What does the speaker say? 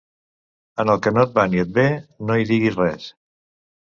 En el que no et va ni et ve, no hi diguis res.